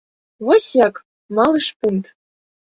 Вось як, малы шпунт!